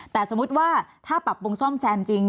แต่สมมุติว่าถ้าปรับปรุงซ่อมแซมจริง